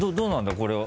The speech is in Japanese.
これは。